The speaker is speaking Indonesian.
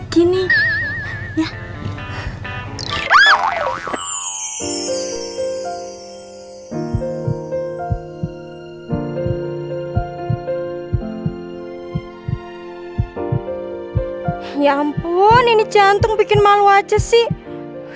gini ya ampun ini jantung bikin malu aja sih